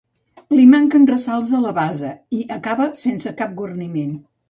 Li manquen ressalts a la base i acaba sense cap guarniment.